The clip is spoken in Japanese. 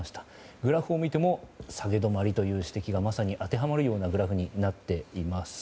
グラフを見ても下げ止まりという指摘がまさに当てはまるようなグラフになっています。